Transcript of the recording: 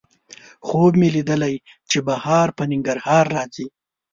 خوب مې لیدلی چې بهار په ننګرهار راځي